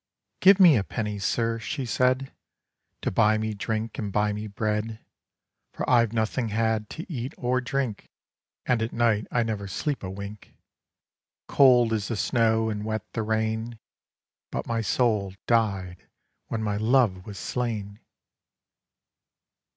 ' Give me a penny, Sir,' she said, ' To buy me drink and buy me bread For I 've nothing had to eat or drink, And at night I never sleep a wink. Cold is the snow and wet the rain, But my soul died when my love was slain